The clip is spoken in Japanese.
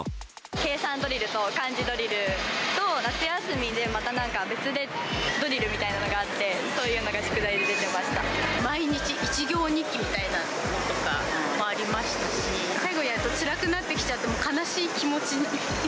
計算ドリルと漢字ドリルと、夏休みで、また別でドリルみたいなのがあって、毎日一行日記みたいなものとかありましたし、最後にやると、つらくなってきちゃって、悲しい気持ちに。